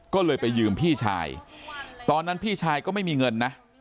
ก็เลยไปยืมพี่ชายตอนนั้นพี่ชายก็ไม่มีเงินนะ